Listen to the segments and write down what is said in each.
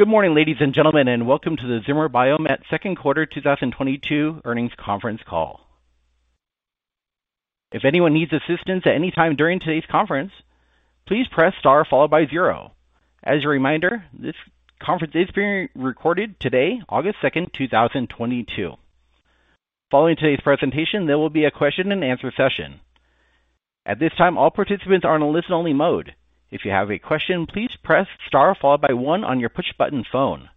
Good morning, ladies and gentlemen, and welcome to the Zimmer Biomet second quarter 2022 earnings conference call. If anyone needs assistance at any time during today's conference, please press Star followed by zero. As a reminder, this conference is being recorded today, August 2, 2022. Following today's presentation, there will be a question and answer session. At this time, all participants are in a listen-only mode. If you have a question, please press Star followed by one on your push button phone.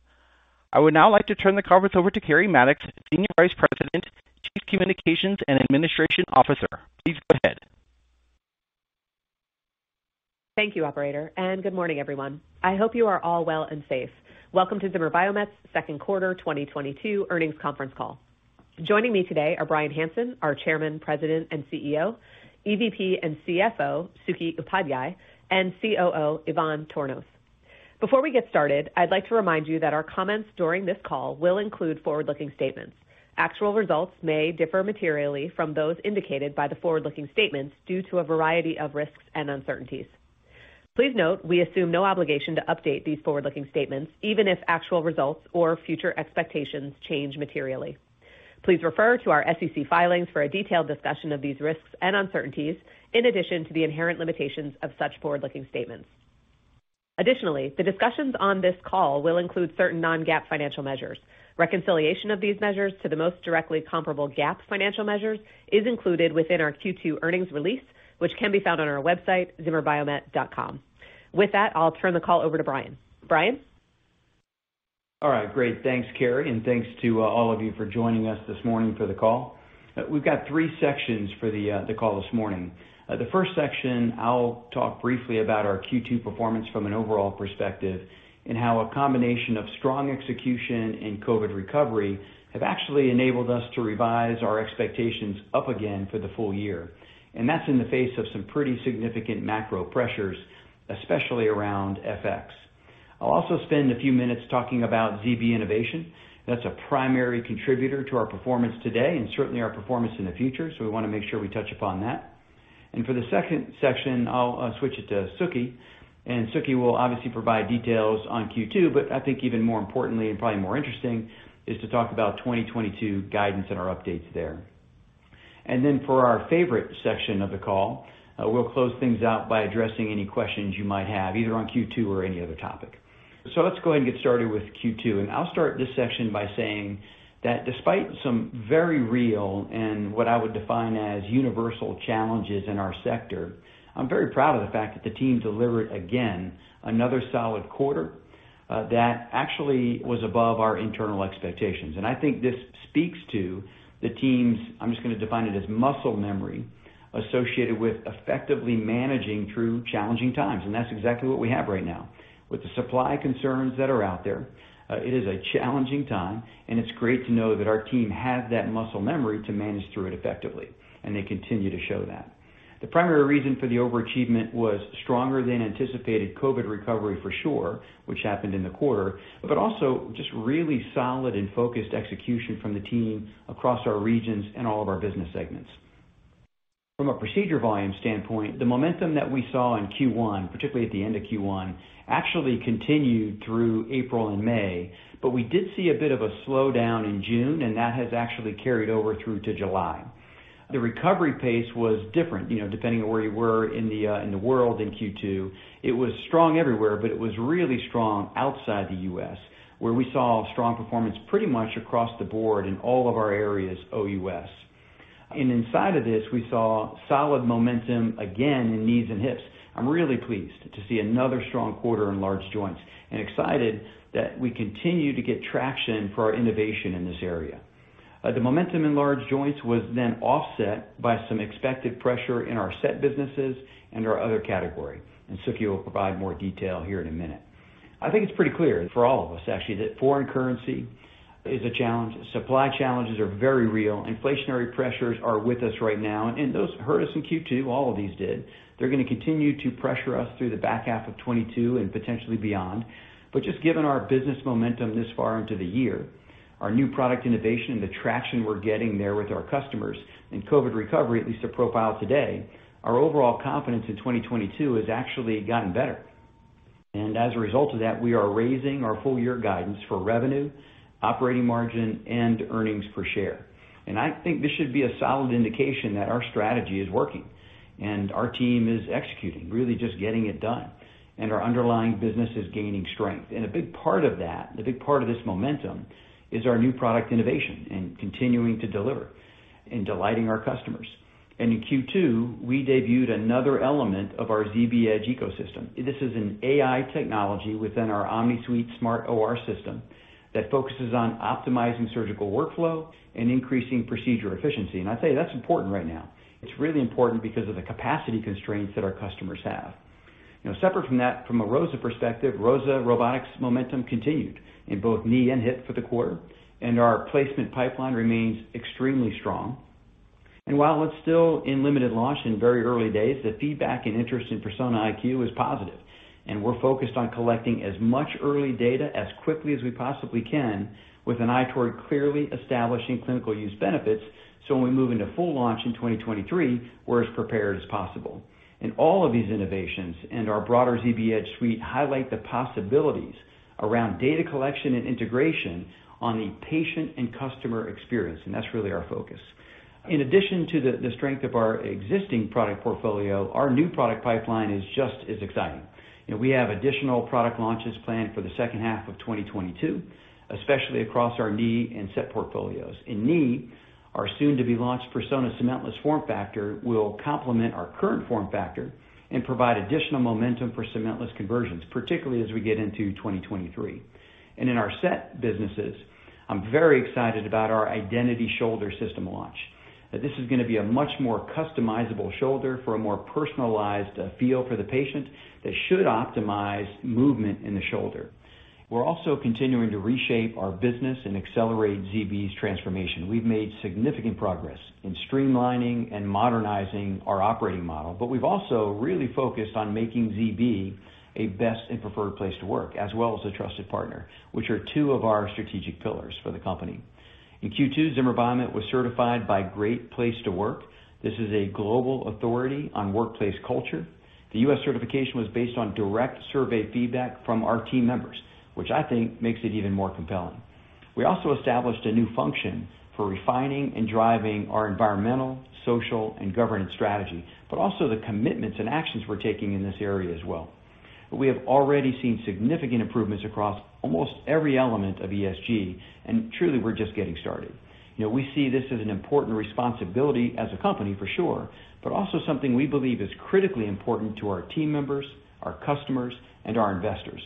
I would now like to turn the conference over to Keri Mattox, Senior Vice President, Chief Communications and Administration Officer. Please go ahead. Thank you, operator, and good morning, everyone. I hope you are all well and safe. Welcome to Zimmer Biomet's second quarter 2022 earnings conference call. Joining me today are Bryan Hanson, our Chairman, President, and CEO, EVP and CFO, Suketu Upadhyay, and COO, Ivan Tornos. Before we get started, I'd like to remind you that our comments during this call will include forward-looking statements. Actual results may differ materially from those indicated by the forward-looking statements due to a variety of risks and uncertainties. Please note we assume no obligation to update these forward-looking statements, even if actual results or future expectations change materially. Please refer to our SEC filings for a detailed discussion of these risks and uncertainties, in addition to the inherent limitations of such forward-looking statements. Additionally, the discussions on this call will include certain non-GAAP financial measures. Reconciliation of these measures to the most directly comparable GAAP financial measures is included within our Q2 earnings release, which can be found on our website, zimmerbiomet.com. With that, I'll turn the call over to Bryan. Bryan? All right, great. Thanks, Carrie, and thanks to all of you for joining us this morning for the call. We've got three sections for the call this morning. The first section, I'll talk briefly about our Q2 performance from an overall perspective and how a combination of strong execution and COVID recovery have actually enabled us to revise our expectations up again for the full year. That's in the face of some pretty significant macro pressures, especially around FX. I'll also spend a few minutes talking about ZB Innovation. That's a primary contributor to our performance today and certainly our performance in the future, so we want to make sure we touch upon that. For the second section, I'll switch it to Suky, and Suky will obviously provide details on Q2, but I think even more importantly and probably more interesting is to talk about 2022 guidance and our updates there. For our favorite section of the call, we'll close things out by addressing any questions you might have either on Q2 or any other topic. Let's go ahead and get started with Q2. I'll start this section by saying that despite some very real and what I would define as universal challenges in our sector, I'm very proud of the fact that the team delivered again another solid quarter, that actually was above our internal expectations. I think this speaks to the team's, I'm just gonna define it as muscle memory associated with effectively managing through challenging times. That's exactly what we have right now. With the supply concerns that are out there, it is a challenging time, and it's great to know that our team have that muscle memory to manage through it effectively, and they continue to show that. The primary reason for the overachievement was stronger than anticipated COVID recovery for sure, which happened in the quarter, but also just really solid and focused execution from the team across our regions and all of our business segments. From a procedure volume standpoint, the momentum that we saw in Q1, particularly at the end of Q1, actually continued through April and May, but we did see a bit of a slowdown in June, and that has actually carried over through to July. The recovery pace was different, you know, depending on where you were in the world in Q2. It was strong everywhere, but it was really strong outside the U.S., where we saw strong performance pretty much across the board in all of our areas, OUS. Inside of this, we saw solid momentum again in knees and hips. I'm really pleased to see another strong quarter in large joints and excited that we continue to get traction for our innovation in this area. The momentum in large joints was then offset by some expected pressure in our set businesses and our other category. Suky will provide more detail here in a minute. I think it's pretty clear for all of us actually, that foreign currency is a challenge. Supply challenges are very real. Inflationary pressures are with us right now, and those hurt us in Q2. All of these did. They're gonna continue to pressure us through the back half of 2022 and potentially beyond. Just given our business momentum this far into the year, our new product innovation, the traction we're getting there with our customers and COVID recovery, at least the profile today, our overall confidence in 2022 has actually gotten better. As a result of that, we are raising our full year guidance for revenue, operating margin, and earnings per share. I think this should be a solid indication that our strategy is working and our team is executing, really just getting it done, and our underlying business is gaining strength. A big part of that, the big part of this momentum is our new product innovation and continuing to deliver and delighting our customers. In Q2, we debuted another element of our ZBEdge ecosystem. This is an AI technology within our OmniSuite Smart OR system that focuses on optimizing surgical workflow and increasing procedure efficiency. I'd say that's important right now. It's really important because of the capacity constraints that our customers have. You know, separate from that, from a ROSA perspective, ROSA robotics momentum continued in both knee and hip for the quarter, and our placement pipeline remains extremely strong. While it's still in limited launch in very early days, the feedback and interest in Persona IQ is positive, and we're focused on collecting as much early data as quickly as we possibly can with an eye toward clearly establishing clinical use benefits, so when we move into full launch in 2023, we're as prepared as possible. All of these innovations and our broader ZBEdge suite highlight the possibilities around data collection and integration on the patient and customer experience, and that's really our focus. In addition to the strength of our existing product portfolio, our new product pipeline is just as exciting. You know, we have additional product launches planned for the second half of 2022, especially across our Knee and SET portfolios. In Knee, our soon-to-be-launched Persona Cementless form factor will complement our current form factor and provide additional momentum for cementless conversions, particularly as we get into 2023. In our SET businesses, I'm very excited about our Identity Shoulder System launch. This is gonna be a much more customizable shoulder for a more personalized feel for the patient that should optimize movement in the shoulder. We're also continuing to reshape our business and accelerate ZB's transformation. We've made significant progress in streamlining and modernizing our operating model, but we've also really focused on making ZB a best and preferred place to work as well as a trusted partner, which are two of our strategic pillars for the company. In Q2, Zimmer Biomet was certified by Great Place to Work. This is a global authority on workplace culture. The U.S. certification was based on direct survey feedback from our team members, which I think makes it even more compelling. We also established a new function for refining and driving our environmental, social, and governance strategy, but also the commitments and actions we're taking in this area as well. We have already seen significant improvements across almost every element of ESG, and truly we're just getting started. You know, we see this as an important responsibility as a company for sure, but also something we believe is critically important to our team members, our customers, and our investors.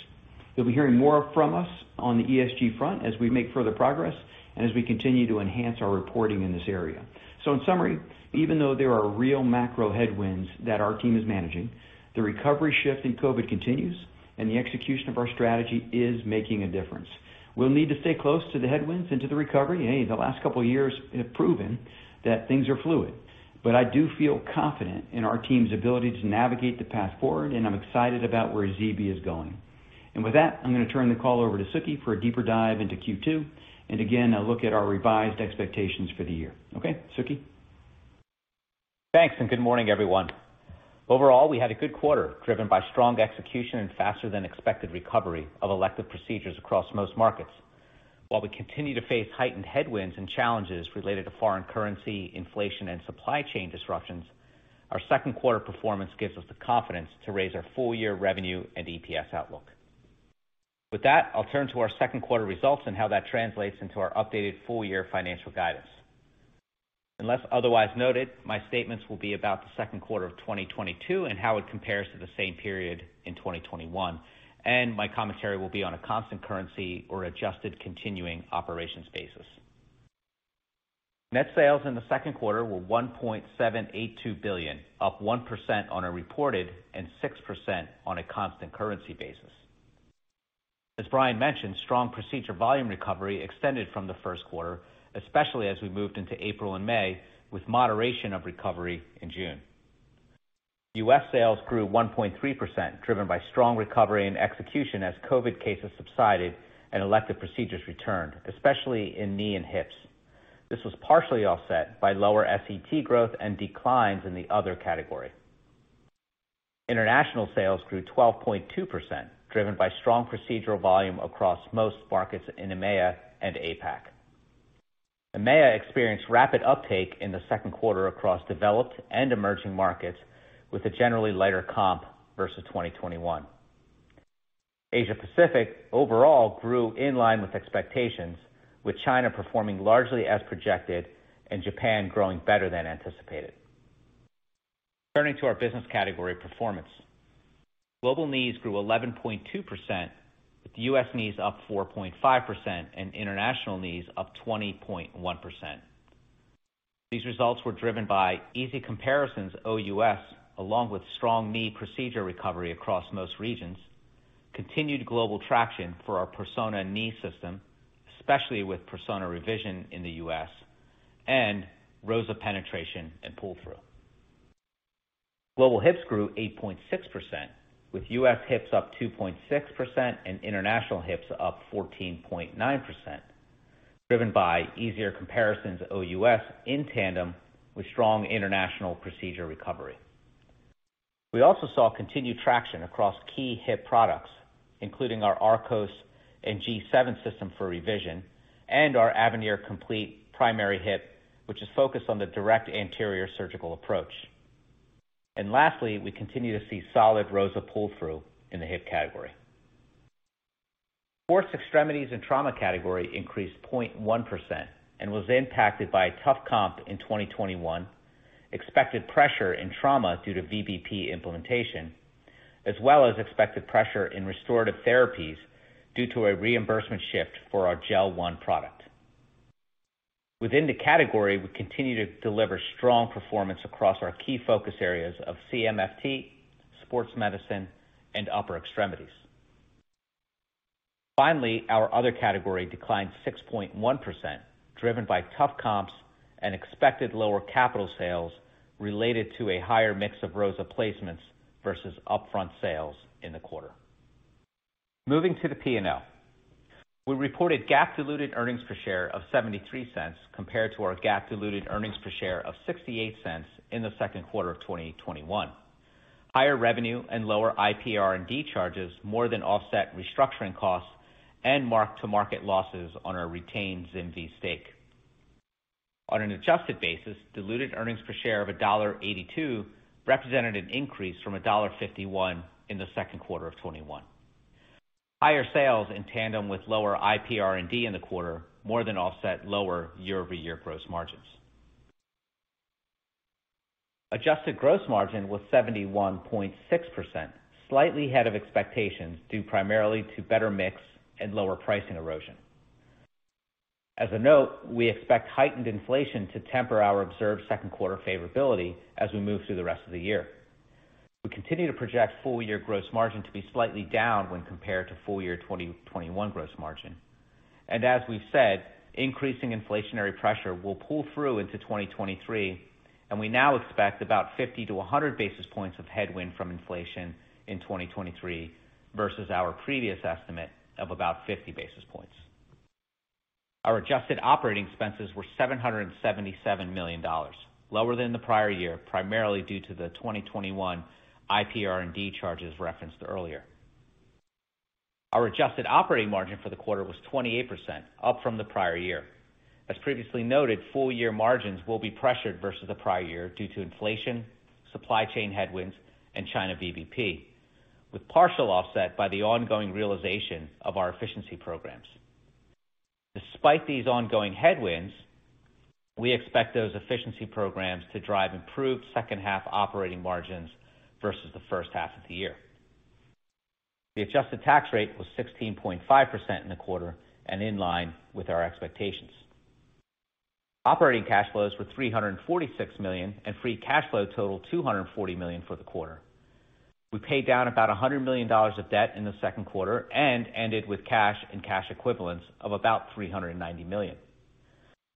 You'll be hearing more from us on the ESG front as we make further progress and as we continue to enhance our reporting in this area. In summary, even though there are real macro headwinds that our team is managing, the recovery shift in COVID continues, and the execution of our strategy is making a difference. We'll need to stay close to the headwinds and to the recovery. Hey, the last couple of years have proven that things are fluid. I do feel confident in our team's ability to navigate the path forward, and I'm excited about where ZB is going. With that, I'm gonna turn the call over to Sukhi for a deeper dive into Q2, and again, a look at our revised expectations for the year. Okay, Suky. Thanks, and good morning, everyone. Overall, we had a good quarter driven by strong execution and faster than expected recovery of elective procedures across most markets. While we continue to face heightened headwinds and challenges related to foreign currency, inflation, and supply chain disruptions, our second quarter performance gives us the confidence to raise our full year revenue and EPS outlook. With that, I'll turn to our second quarter results and how that translates into our updated full year financial guidance. Unless otherwise noted, my statements will be about the second quarter of 2022 and how it compares to the same period in 2021, and my commentary will be on a constant currency or adjusted continuing operations basis. Net sales in the second quarter were $1.782 billion, up 1% on a reported and 6% on a constant currency basis. As Bryan mentioned, strong procedure volume recovery extended from the first quarter, especially as we moved into April and May, with moderation of recovery in June. US sales grew 1.3%, driven by strong recovery and execution as COVID cases subsided and elective procedures returned, especially in knee and hips. This was partially offset by lower SET growth and declines in the other category. International sales grew 12.2%, driven by strong procedural volume across most markets in EMEA and APAC. EMEA experienced rapid uptake in the second quarter across developed and emerging markets with a generally lighter comp versus 2021. Asia Pacific overall grew in line with expectations, with China performing largely as projected and Japan growing better than anticipated. Turning to our business category performance. Global knees grew 11.2%, with US knees up 4.5% and international knees up 20.1%. These results were driven by easy comparisons OUS, along with strong knee procedure recovery across most regions, continued global traction for our Persona knee system, especially with Persona Revision in the US, and ROSA penetration and pull-through. Global hips grew 8.6%, with US hips up 2.6% and international hips up 14.9%, driven by easier comparisons OUS in tandem with strong international procedure recovery. We also saw continued traction across key hip products, including our Arcos and G7 system for revision and our Avenir Complete primary hip, which is focused on the Direct Anterior surgical approach. Lastly, we continue to see solid ROSA pull-through in the hip category. Sports extremities and trauma category increased 0.1% and was impacted by a tough comp in 2021, expected pressure and trauma due to VBP implementation, as well as expected pressure in restorative therapies due to a reimbursement shift for our Gel-One product. Within the category, we continue to deliver strong performance across our key focus areas of CMFT, sports medicine, and upper extremities. Finally, our other category declined 6.1%, driven by tough comps and expected lower capital sales related to a higher mix of ROSA placements versus upfront sales in the quarter. Moving to the P&L. We reported GAAP diluted earnings per share of $0.73 compared to our GAAP diluted earnings per share of $0.68 in the second quarter of 2021. Higher revenue and lower IPR&D charges more than offset restructuring costs and mark-to-market losses on our retained ZimVie stake. On an adjusted basis, diluted earnings per share of $1.82 represented an increase from $1.51 in the second quarter of 2021. Higher sales in tandem with lower IPR&D in the quarter more than offset lower year-over-year gross margins. Adjusted gross margin was 71.6%, slightly ahead of expectations, due primarily to better mix and lower pricing erosion. As a note, we expect heightened inflation to temper our observed second quarter favorability as we move through the rest of the year. We continue to project full-year gross margin to be slightly down when compared to full year 2021 gross margin. As we've said, increasing inflationary pressure will pull through into 2023, and we now expect about 50 to 100 basis points of headwind from inflation in 2023 versus our previous estimate of about 50 basis points. Our adjusted operating expenses were $777 million, lower than the prior year, primarily due to the 2021 IPR&D charges referenced earlier. Our adjusted operating margin for the quarter was 28%, up from the prior year. As previously noted, full year margins will be pressured versus the prior year due to inflation, supply chain headwinds, and China VBP, with partial offset by the ongoing realization of our efficiency programs. Despite these ongoing headwinds, we expect those efficiency programs to drive improved second half operating margins versus the first half of the year. The adjusted tax rate was 16.5% in the quarter and in line with our expectations. Operating cash flows were $346 million, and free cash flow totaled $240 million for the quarter. We paid down about $100 million of debt in the second quarter and ended with cash and cash equivalents of about $390 million.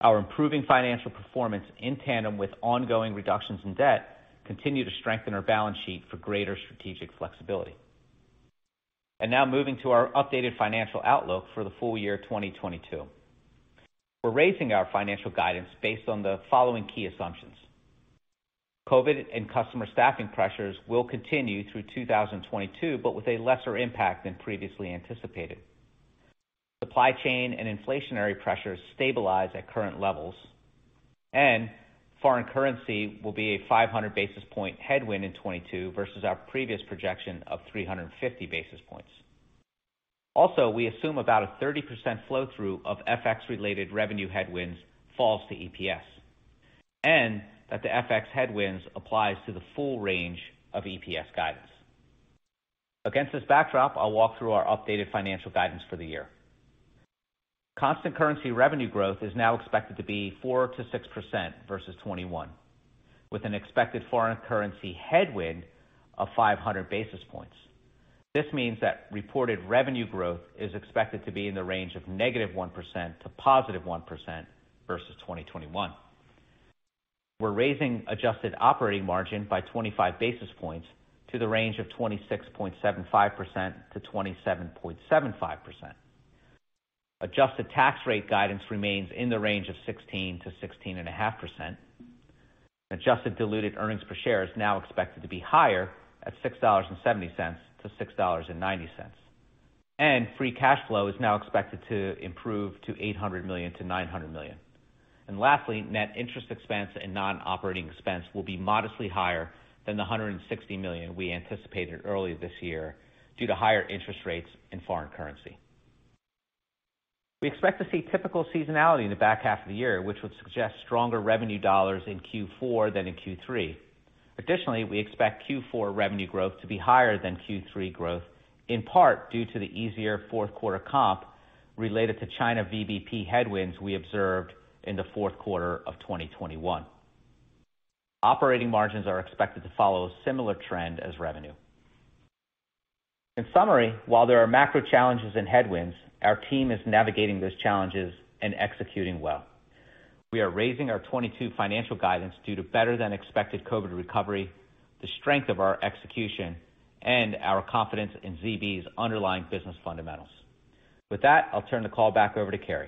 Our improving financial performance in tandem with ongoing reductions in debt continue to strengthen our balance sheet for greater strategic flexibility. Now moving to our updated financial outlook for the full year 2022. We're raising our financial guidance based on the following key assumptions. COVID and customer staffing pressures will continue through 2022, but with a lesser impact than previously anticipated. Supply chain and inflationary pressures stabilize at current levels, and foreign currency will be a 500 basis point headwind in 2022 versus our previous projection of 350 basis points. We assume about a 30% flow through of FX-related revenue headwinds falls to EPS, and that the FX headwinds applies to the full range of EPS guidance. Against this backdrop, I'll walk through our updated financial guidance for the year. Constant currency revenue growth is now expected to be 4%-6% versus 2021, with an expected foreign currency headwind of 500 basis points. This means that reported revenue growth is expected to be in the range of -1% to +1% versus 2021. We're raising adjusted operating margin by 25 basis points to the range of 26.75%-27.75%. Adjusted tax rate guidance remains in the range of 16%-16.5%. Adjusted diluted earnings per share is now expected to be higher at $6.70-$6.90. Free cash flow is now expected to improve to $800 million-$900 million. Lastly, net interest expense and non-operating expense will be modestly higher than the $160 million we anticipated earlier this year due to higher interest rates in foreign currency. We expect to see typical seasonality in the back half of the year, which would suggest stronger revenue dollars in Q4 than in Q3. Additionally, we expect Q4 revenue growth to be higher than Q3 growth, in part due to the easier fourth quarter comp related to China VBP headwinds we observed in the fourth quarter of 2021. Operating margins are expected to follow a similar trend as revenue. In summary, while there are macro challenges and headwinds, our team is navigating those challenges and executing well. We are raising our 2022 financial guidance due to better than expected COVID recovery, the strength of our execution, and our confidence in ZimVie's underlying business fundamentals. With that, I'll turn the call back over to Keri.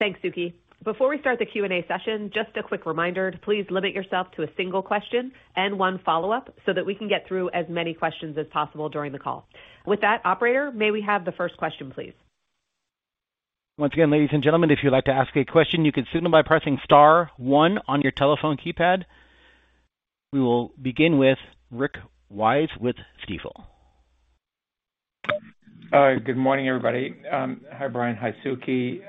Thanks, Suky. Before we start the Q&A session, just a quick reminder to please limit yourself to a single question and one follow-up so that we can get through as many questions as possible during the call. With that, operator, may we have the first question, please? Once again, ladies and gentlemen, if you'd like to ask a question, you can cue them by pressing star one on your telephone keypad. We will begin with Rick Wise with Stifel. Good morning, everybody. Hi, Bryan. Hi, Suky.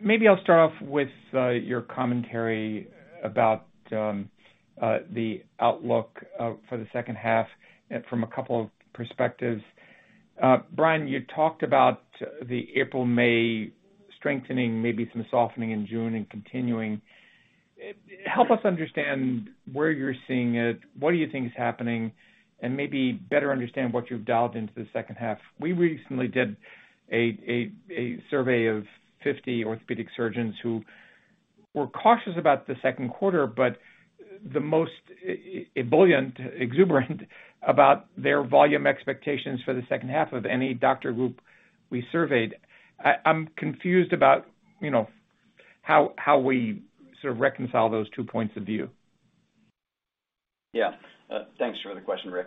Maybe I'll start off with your commentary about the outlook for the second half from a couple of perspectives. Bryan, you talked about the April-May strengthening, maybe some softening in June and continuing. Help us understand where you're seeing it, what do you think is happening, and maybe better understand what you've dialed into the second half. We recently did a survey of 50 orthopedic surgeons who were cautious about the second quarter, but the most ebullient, exuberant about their volume expectations for the second half of any doctor group we surveyed. I'm confused about, you know, how we sort of reconcile those two points of view. Yeah. Thanks for the question, Rick.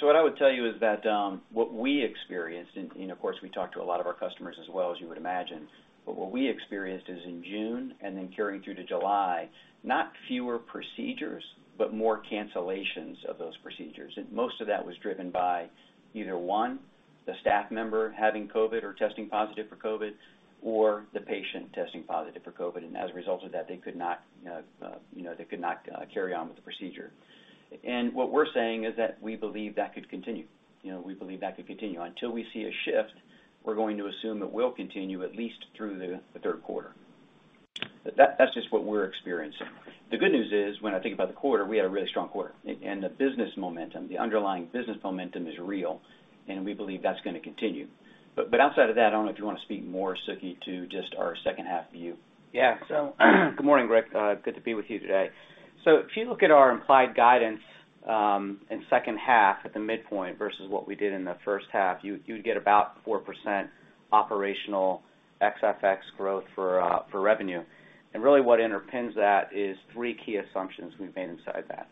So what I would tell you is that what we experienced, and of course, we talked to a lot of our customers as well, as you would imagine. What we experienced is in June, and then carrying through to July, not fewer procedures, but more cancellations of those procedures. Most of that was driven by either, one, the staff member having COVID or testing positive for COVID, or the patient testing positive for COVID. As a result of that, they could not, you know, carry on with the procedure. What we're saying is that we believe that could continue. You know, we believe that could continue. Until we see a shift, we're going to assume it will continue at least through the third quarter. That, that's just what we're experiencing. The good news is, when I think about the quarter, we had a really strong quarter. The business momentum, the underlying business momentum is real, and we believe that's gonna continue. Outside of that, I don't know if you wanna speak more, Suky, to just our second half view. Yeah. Good morning, Rick. Good to be with you today. If you look at our implied guidance in second half at the midpoint versus what we did in the first half, you'd get about 4% operational XFX growth for revenue. Really what underpins that is three key assumptions we've made inside that.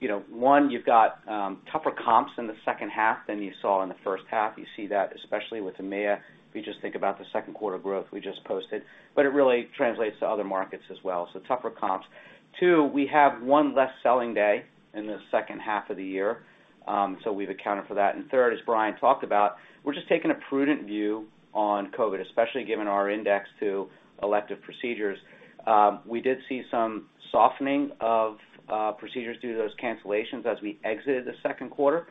You know, one, you've got tougher comps in the second half than you saw in the first half. You see that especially with EMEA. If you just think about the second quarter growth we just posted, but it really translates to other markets as well. Tougher comps. Two, we have one less selling day in the second half of the year, so we've accounted for that. Third, as Bryan talked about, we're just taking a prudent view on COVID, especially given our index to elective procedures. We did see some softening of procedures due to those cancellations as we exited the second quarter.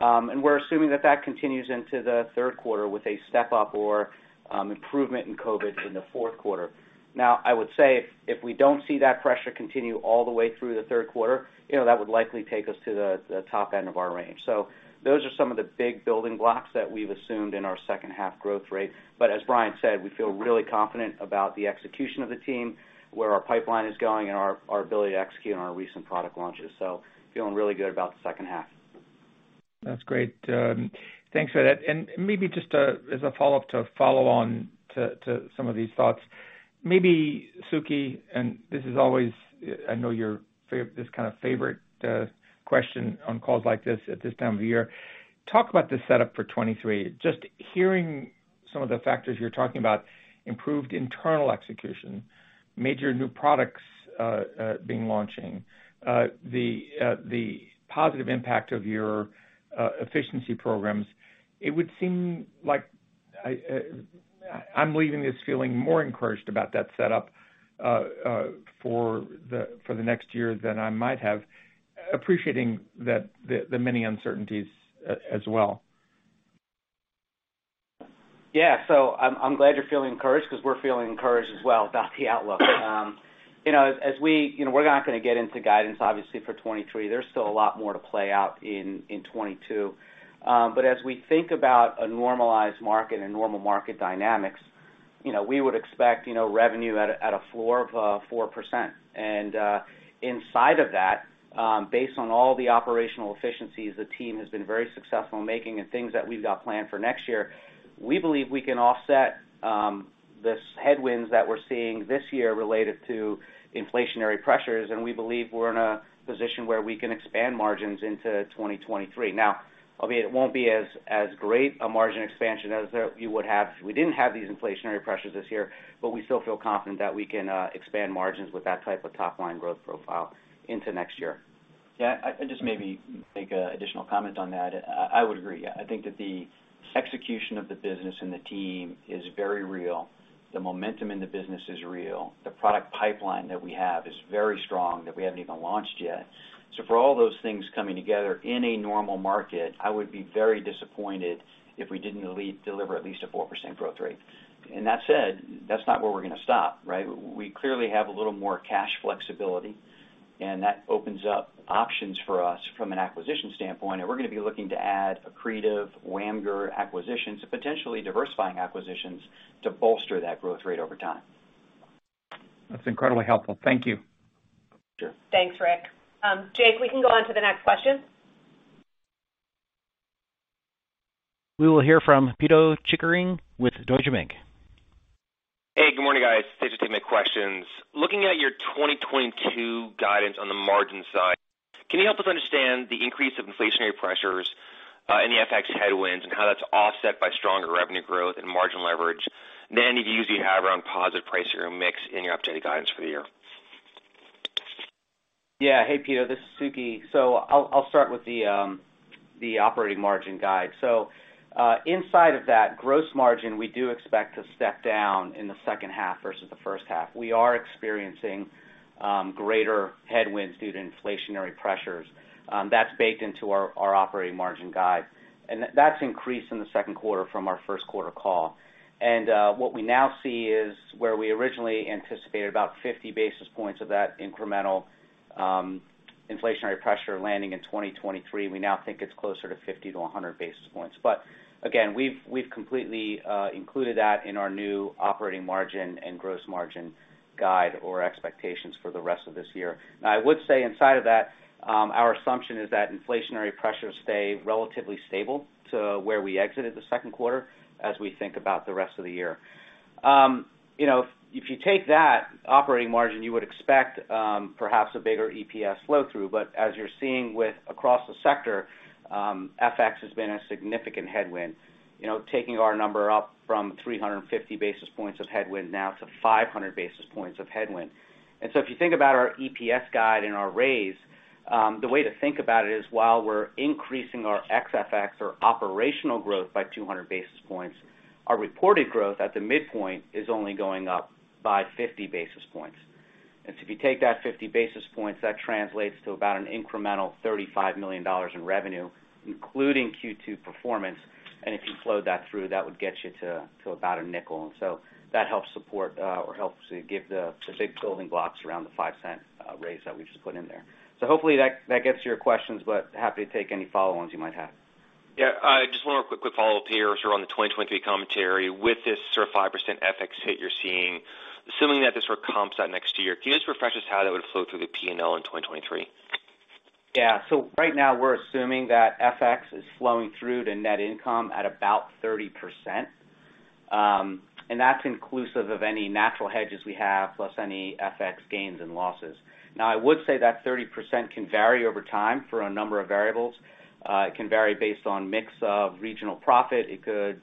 We're assuming that continues into the third quarter with a step up or improvement in COVID in the fourth quarter. Now, I would say if we don't see that pressure continue all the way through the third quarter, you know, that would likely take us to the top end of our range. Those are some of the big building blocks that we've assumed in our second half growth rate. As Bryan said, we feel really confident about the execution of the team, where our pipeline is going, and our ability to execute on our recent product launches. Feeling really good about the second half. That's great. Thanks for that. Maybe just as a follow-up to some of these thoughts. Maybe Suketu, and this is always, I know your favorite question on calls like this at this time of year. Talk about the setup for 2023. Just hearing some of the factors you're talking about, improved internal execution, major new products being launched, the positive impact of your efficiency programs. It would seem like I'm leaving this feeling more encouraged about that setup for the next year than I might have, appreciating that the many uncertainties as well. Yeah. I'm glad you're feeling encouraged because we're feeling encouraged as well about the outlook. You know, we're not gonna get into guidance, obviously, for 2023. There's still a lot more to play out in 2022. As we think about a normalized market and normal market dynamics, you know, we would expect, you know, revenue at a floor of 4%. And inside of that, based on all the operational efficiencies the team has been very successful in making and things that we've got planned for next year, we believe we can offset this headwinds that we're seeing this year related to inflationary pressures, and we believe we're in a position where we can expand margins into 2023. Now, I mean, it won't be as great a margin expansion as you would have if we didn't have these inflationary pressures this year, but we still feel confident that we can expand margins with that type of top-line growth profile into next year. Yeah. I just maybe make an additional comment on that. I would agree. I think that the execution of the business and the team is very real. The momentum in the business is real. The product pipeline that we have is very strong, that we haven't even launched yet. For all those things coming together in a normal market, I would be very disappointed if we didn't at least deliver a 4% growth rate. That said, that's not where we're gonna stop, right? We clearly have a little more cash flexibility, and that opens up options for us from an acquisition standpoint. We're gonna be looking to add accretive WAMGR acquisitions and potentially diversifying acquisitions to bolster that growth rate over time. That's incredibly helpful. Thank you. Sure. Thanks, Rick. Jake, we can go on to the next question. We will hear from Pito Chickering with Deutsche Bank. Hey, good morning, guys. Thanks for taking my questions. Looking at your 2022 guidance on the margin side, can you help us understand the increase of inflationary pressures and the FX headwinds and how that's offset by stronger revenue growth and margin leverage? You can use the around positive pricing and mix in your updated guidance for the year. Yeah. Hey, Pito, this is Suky. I'll start with the operating margin guide. Inside of that gross margin, we do expect to step down in the second half versus the first half. We are experiencing greater headwinds due to inflationary pressures. That's baked into our operating margin guide. That's increased in the second quarter from our first quarter call. What we now see is where we originally anticipated about 50 basis points of that incremental, Inflationary pressure landing in 2023, we now think it's closer to 50-100 basis points. Again, we've completely included that in our new operating margin and gross margin guide or expectations for the rest of this year. I would say inside of that, our assumption is that inflationary pressures stay relatively stable to where we exited the second quarter as we think about the rest of the year. You know, if you take that operating margin, you would expect perhaps a bigger EPS flow-through. As you're seeing, across the sector, FX has been a significant headwind, you know, taking our number up from 350 basis points of headwind now to 500 basis points of headwind. If you think about our EPS guide and our raise, the way to think about it is while we're increasing our XFX or operational growth by 200 basis points, our reported growth at the midpoint is only going up by 50 basis points. If you take that 50 basis points, that translates to about an incremental $35 million in revenue, including Q2 performance. If you flow that through, that would get you to about a nickel. That helps support or helps to give the big building blocks around the 5-cent raise that we just put in there. Hopefully that gets to your questions, but happy to take any follow-ons you might have. Yeah. Just one quick follow-up here. On the 2023 commentary with this sort of 5% FX hit you're seeing, assuming that this were comps out next year, can you just refresh us how that would flow through the P&L in 2023? Yeah. Right now we're assuming that FX is flowing through to net income at about 30%. That's inclusive of any natural hedges we have, plus any FX gains and losses. Now, I would say that 30% can vary over time for a number of variables. It can vary based on mix of regional profit. It could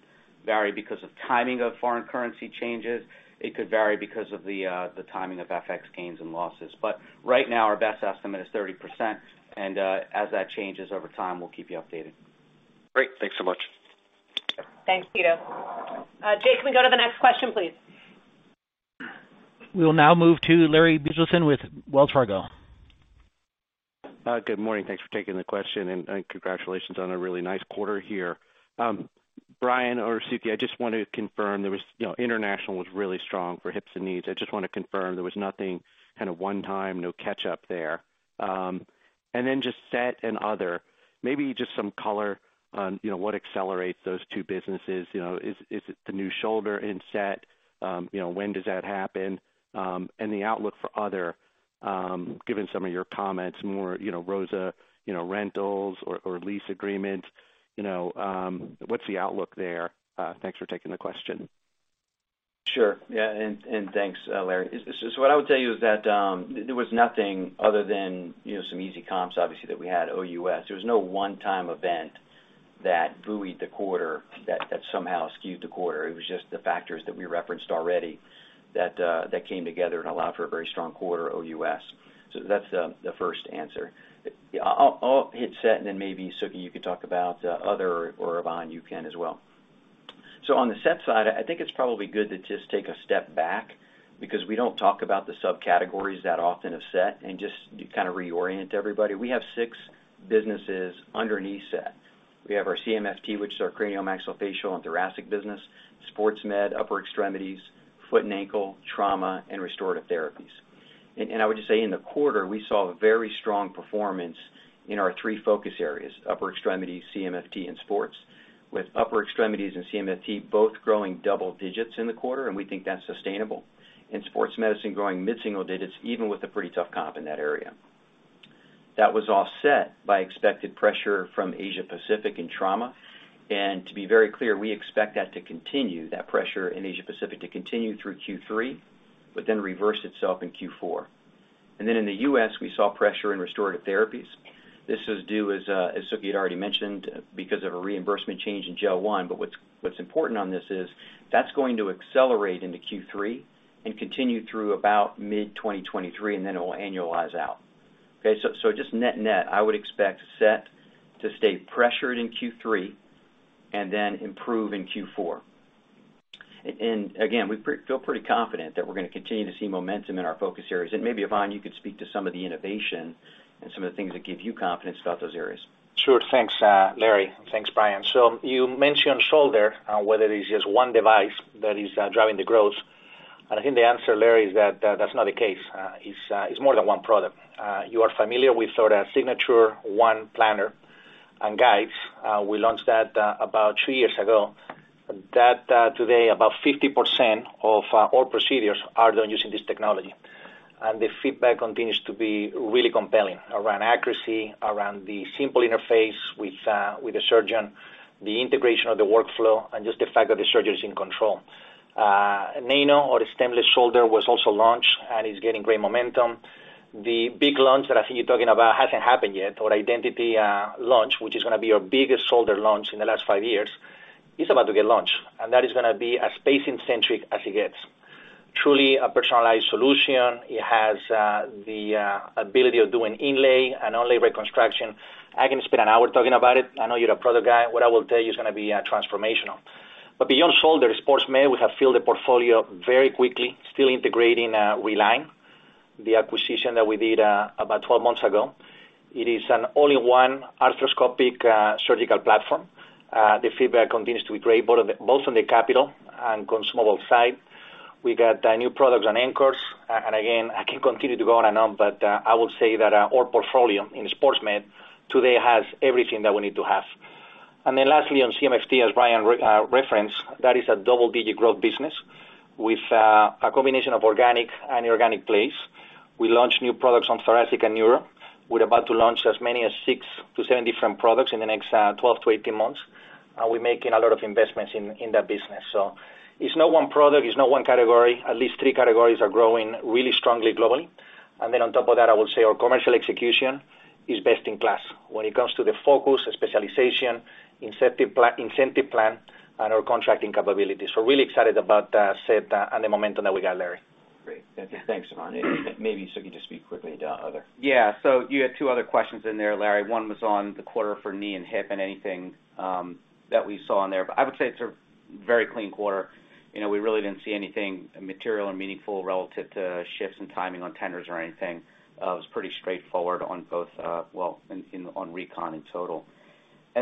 vary because of timing of foreign currency changes. It could vary because of the timing of FX gains and losses. Right now, our best estimate is 30%, and as that changes over time, we'll keep you updated. Great. Thanks so much. Thanks, Pito. Jake, can we go to the next question, please? We will now move to Larry Biegelsen with Wells Fargo. Good morning. Thanks for taking the question, and congratulations on a really nice quarter here. Bryan or Suketu, you know, international was really strong for hips and knees. I just wanna confirm there was nothing kind of one-time, no catch-up there. Then just SET and Other, maybe just some color on, you know, what accelerates those two businesses. You know, is it the new shoulder in SET? You know, when does that happen? The outlook for Other, given some of your comments more, you know, ROSA, you know, rentals or lease agreements, you know, what's the outlook there? Thanks for taking the question. Sure. Yeah, thanks, Larry. What I would tell you is that there was nothing other than, you know, some easy comps, obviously, that we had OUS. There was no one-time event that buoyed the quarter, that somehow skewed the quarter. It was just the factors that we referenced already that came together and allowed for a very strong quarter OUS. That's the first answer. I'll hit SET and then maybe Suky you can talk about other or Ivan you can as well. On the SET side, I think it's probably good to just take a step back because we don't talk about the subcategories that often of SET and just kind of reorient everybody. We have six businesses underneath SET. We have our CMFT, which is our craniomaxillofacial and thoracic business, sports med, upper extremities, foot and ankle, trauma, and restorative therapies. I would just say in the quarter, we saw very strong performance in our three focus areas, upper extremities, CMFT, and sports, with upper extremities and CMFT both growing double digits in the quarter, and we think that's sustainable. In sports medicine, growing mid-single digits, even with a pretty tough comp in that area. That was all offset by expected pressure from Asia Pacific and trauma. To be very clear, we expect that to continue, that pressure in Asia Pacific to continue through Q3, but then reverse itself in Q4. Then in the US, we saw pressure in restorative therapies. This is due, as Suky had already mentioned, because of a reimbursement change in Gel-One. What's important on this is that's going to accelerate into Q3 and continue through about mid-2023, and then it will annualize out. Okay, so just net-net, I would expect SET to stay pressured in Q3 and then improve in Q4. And again, we feel pretty confident that we're gonna continue to see momentum in our focus areas. Maybe, Ivan, you could speak to some of the innovation and some of the things that give you confidence about those areas. Sure. Thanks, Larry. Thanks, Bryan. You mentioned shoulder, whether it is just one device that is driving the growth. I think the answer, Larry, is that that's not the case. It's more than one product. You are familiar with sort of Signature ONE planner and guides. We launched that about 2 years ago. Today, about 50% of all procedures are done using this technology. The feedback continues to be really compelling around accuracy, around the simple interface with the surgeon, the integration of the workflow, and just the fact that the surgeon is in control. Nano or the stemless shoulder was also launched and is getting great momentum. The big launch that I think you're talking about hasn't happened yet. Our Identity launch, which is gonna be our biggest shoulder launch in the last five years, is about to get launched, and that is gonna be as patient-centric as it gets. Truly a personalized solution. It has the ability of doing inlay and onlay reconstruction. I can spend an hour talking about it. I know you're a product guy. What I will tell you is gonna be transformational. Beyond shoulder, sports med, we have filled the portfolio very quickly, still integrating Relign, the acquisition that we did about 12 months ago. It is an all-in-one arthroscopic surgical platform. The feedback continues to be great, both on the capital and consumable side. We got new products on anchors. I can continue to go on and on, but I would say that our portfolio in sports med today has everything that we need to have. Then lastly, on CMFT, as Bryan referenced, that is a double-digit growth business with a combination of organic and inorganic plays. We launched new products in thoracic and neuro. We're about to launch as many as 6-7 different products in the next 12-18 months. We're making a lot of investments in that business. It's not one product, it's not one category. At least three categories are growing really strongly globally. On top of that, I will say our commercial execution is best in class when it comes to the focus, specialization, incentive plan, and our contracting capabilities. We're really excited about the momentum that we got, Larry. Great. Thank you. Thanks, Ivan. Maybe so you can just speak quickly to other. Yeah. You had two other questions in there, Larry. One was on the quarter for knee and hip and anything that we saw in there. I would say it's a very clean quarter. You know, we really didn't see anything material or meaningful relative to shifts in timing on tenders or anything. It was pretty straightforward on both, well, in on recon in total.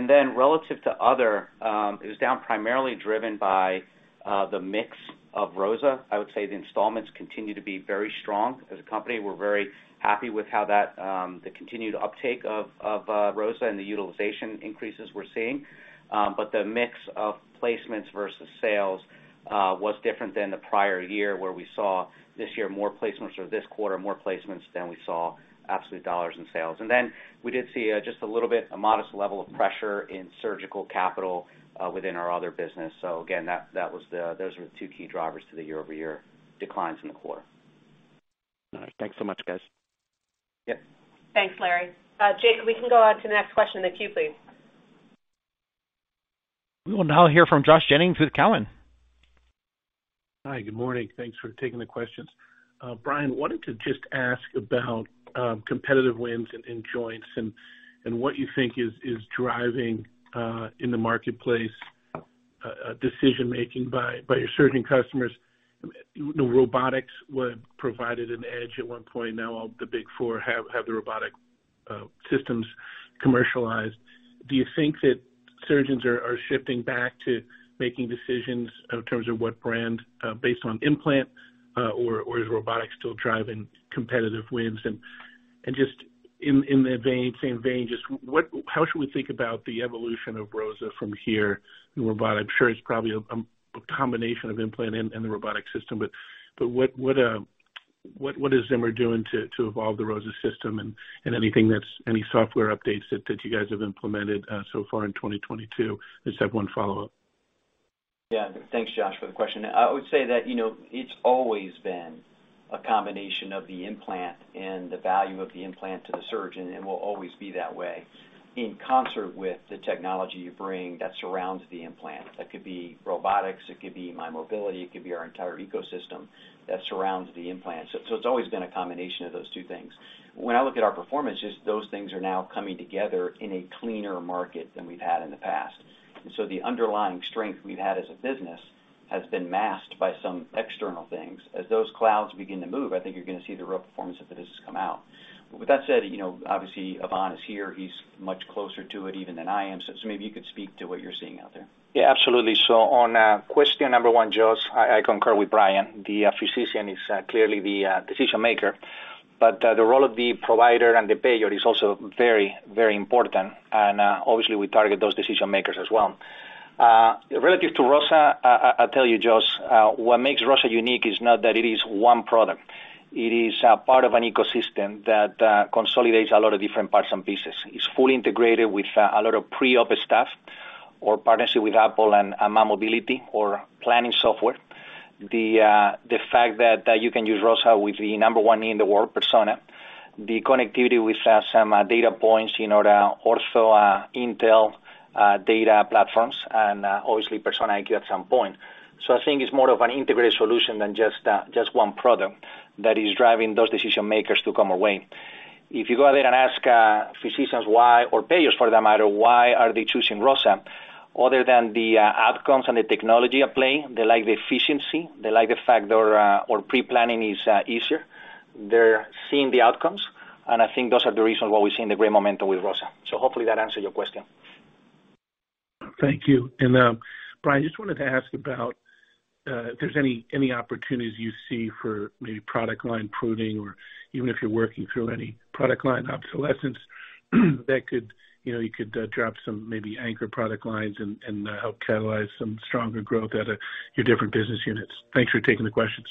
Then relative to other, it was down primarily driven by the mix of ROSA. I would say the installments continue to be very strong. As a company, we're very happy with how that, the continued uptake of ROSA and the utilization increases we're seeing. The mix of placements versus sales was different than the prior year, where we saw this year more placements or this quarter more placements than we saw absolute dollars in sales. We did see just a little bit, a modest level of pressure in surgical capital within our other business. Again, those were the two key drivers to the year-over-year declines in the quarter. All right. Thanks so much, guys. Yeah. Thanks, Larry. Jake, we can go on to the next question with you, please. We will now hear from Josh Jennings with Cowen. Hi, good morning. Thanks for taking the questions. Bryan, wanted to just ask about competitive wins in joints and what you think is driving in the marketplace decision-making by your surgeon customers. You know, robotics would provided an edge at one point. Now all the big four have the robotic systems commercialized. Do you think that surgeons are shifting back to making decisions in terms of what brand based on implant or is robotics still driving competitive wins? Just in the same vein, just how should we think about the evolution of ROSA from here in robotic? I'm sure it's probably a combination of implant and the robotic system, but what is Zimmer doing to evolve the ROSA system and any software updates that you guys have implemented so far in 2022? Just have one follow-up. Yeah. Thanks, Josh, for the question. I would say that, you know, it's always been a combination of the implant and the value of the implant to the surgeon, and will always be that way, in concert with the technology you bring that surrounds the implant. That could be robotics, it could be mymobility, it could be our entire ecosystem that surrounds the implant. It's always been a combination of those two things. When I look at our performance, just those things are now coming together in a cleaner market than we've had in the past. The underlying strength we've had as a business has been masked by some external things. As those clouds begin to move, I think you're gonna see the real performance of the business come out. With that said, you know, obviously, Ivan is here. He's much closer to it even than I am. Maybe you could speak to what you're seeing out there. Yeah, absolutely. On question number one, Josh, I concur with Bryan. The physician is clearly the decision maker, but the role of the provider and the payer is also very, very important. Obviously, we target those decision makers as well. Relative to ROSA, I tell you, Josh, what makes ROSA unique is not that it is one product. It is a part of an ecosystem that consolidates a lot of different parts and pieces. It's fully integrated with a lot of pre-op stuff or partnership with Apple and mymobility or planning software. The fact that you can use ROSA with the number one in the world, Persona, the connectivity with some data points in OrthoIntel data platforms and obviously Persona IQ at some point. I think it's more of an integrated solution than just one product that is driving those decision makers to come our way. If you go out there and ask physicians why or payers for that matter, why are they choosing ROSA, other than the outcomes and the technology at play, they like the efficiency. They like the fact that our pre-planning is easier. They're seeing the outcomes, and I think those are the reasons why we're seeing the great momentum with ROSA. Hopefully that answers your question. Thank you. Bryan, I just wanted to ask about if there's any opportunities you see for maybe product line pruning or even if you're working through any product line obsolescence that could, you know, you could drop some maybe anchor product lines and help catalyze some stronger growth out of your different business units. Thanks for taking the questions.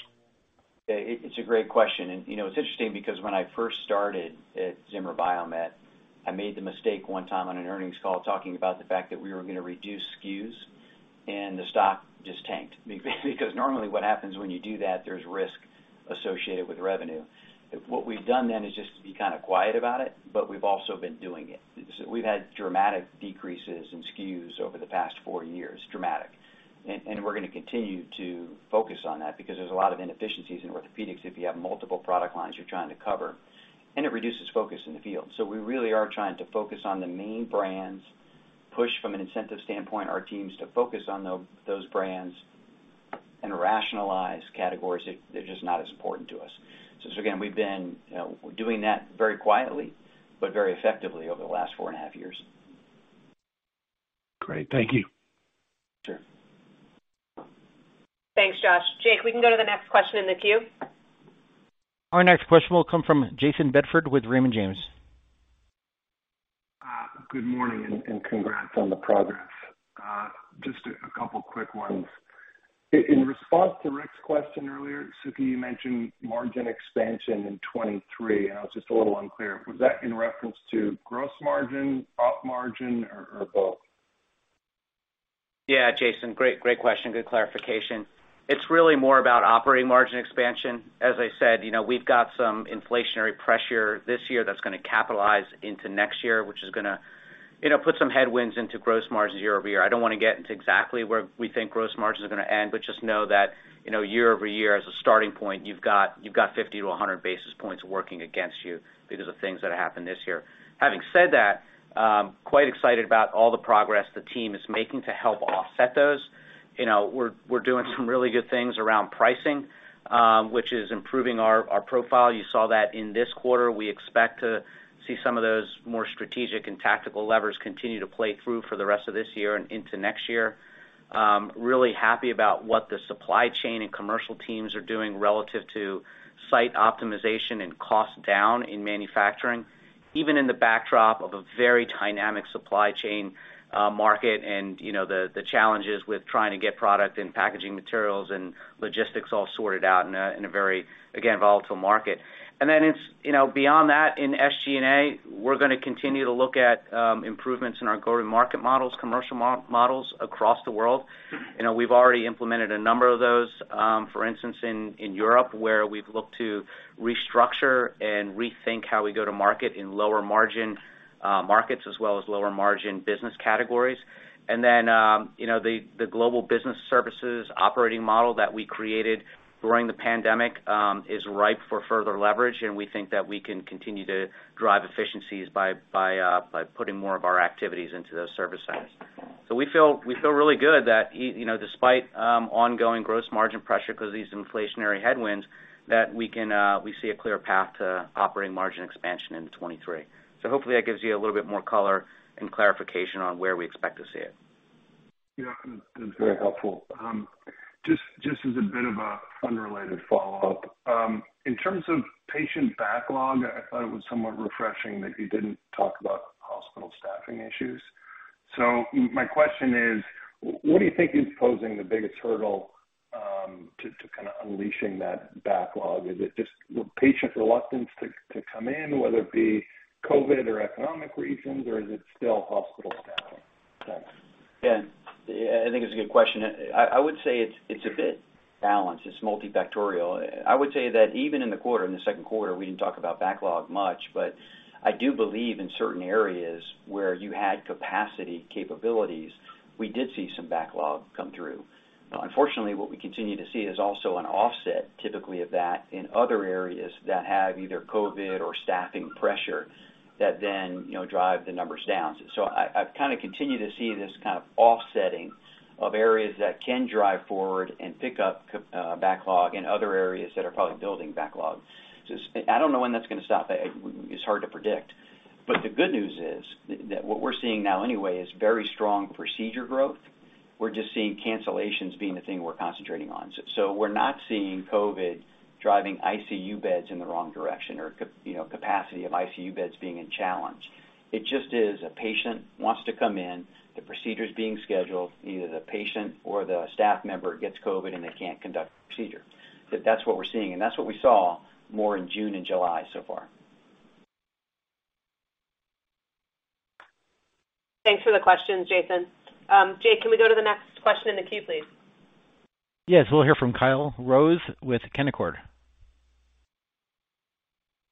It's a great question. You know, it's interesting because when I first started at Zimmer Biomet, I made the mistake one time on an earnings call talking about the fact that we were gonna reduce SKUs, and the stock just tanked. Because normally what happens when you do that, there's risk associated with revenue. What we've done then is just to be kind of quiet about it, but we've also been doing it. We've had dramatic decreases in SKUs over the past four years, dramatic. We're gonna continue to focus on that because there's a lot of inefficiencies in orthopedics if you have multiple product lines you're trying to cover, and it reduces focus in the field. We really are trying to focus on the main brands, push from an incentive standpoint our teams to focus on those brands and rationalize categories that they're just not as important to us. Again, we've been, you know, doing that very quietly but very effectively over the last four and a half years. Great. Thank you. Sure. Thanks, Josh. Jake, we can go to the next question in the queue. Our next question will come from Jayson Bedford with Raymond James. Good morning and congrats on the progress. Just a couple quick ones. In response to Rick's question earlier, Suky, you mentioned margin expansion in 2023, and I was just a little unclear. Was that in reference to gross margin, Op margin or both? Yeah. Jason, great question. Good clarification. It's really more about operating margin expansion. As I said, you know, we've got some inflationary pressure this year that's gonna capitalize into next year, which is gonna, you know, put some headwinds into gross margins year over year. I don't wanna get into exactly where we think gross margins are gonna end, but just know that, you know, year over year as a starting point, you've got 50-100 basis points working against you because of things that happened this year. Having said that, quite excited about all the progress the team is making to help offset those. You know, we're doing some really good things around pricing, which is improving our profile. You saw that in this quarter. We expect to see some of those more strategic and tactical levers continue to play through for the rest of this year and into next year. Really happy about what the supply chain and commercial teams are doing relative to site optimization and cost down in manufacturing, even in the backdrop of a very dynamic supply chain, market and, you know, the challenges with trying to get product and packaging materials and logistics all sorted out in a very, again, volatile market. Then, you know, beyond that, in SG&A, we're gonna continue to look at improvements in our go-to-market models, commercial models across the world. You know, we've already implemented a number of those, for instance, in Europe, where we've looked to restructure and rethink how we go to market in lower margin markets, as well as lower margin business categories. You know, the global business services operating model that we created during the pandemic is ripe for further leverage, and we think that we can continue to drive efficiencies by putting more of our activities into those service centers. We feel really good that, you know, despite ongoing gross margin pressure because of these inflationary headwinds, that we see a clear path to operating margin expansion into 2023. Hopefully that gives you a little bit more color and clarification on where we expect to see it. Yeah. It's very helpful. Just as a bit of an unrelated follow-up, in terms of patient backlog, I thought it was somewhat refreshing that you didn't talk about hospital staffing issues. My question is: What do you think is posing the biggest hurdle to kinda unleashing that backlog? Is it just patient reluctance to come in, whether it be COVID or economic reasons, or is it still hospital staffing? Thanks. Yeah. I think it's a good question. I would say it's a bit balanced. It's multifactorial. I would say that even in the quarter, in the second quarter, we didn't talk about backlog much, but I do believe in certain areas where you had capacity capabilities, we did see some backlog come through. Now, unfortunately, what we continue to see is also an offset typically of that in other areas that have either COVID or staffing pressure that then drive the numbers down. I've kinda continued to see this kind of offsetting of areas that can drive forward and pick up backlog in other areas that are probably building backlog. I don't know when that's gonna stop. It's hard to predict. The good news is that what we're seeing now anyway is very strong procedure growth. We're just seeing cancellations being the thing we're concentrating on. We're not seeing COVID driving ICU beds in the wrong direction or you know, capacity of ICU beds being a challenge. It just is a patient wants to come in, the procedure's being scheduled, either the patient or the staff member gets COVID, and they can't conduct the procedure. That's what we're seeing, and that's what we saw more in June and July so far. Thanks for the questions, Jason. Jake, can we go to the next question in the queue, please? Yes. We'll hear from Kyle Rose with Canaccord Genuity.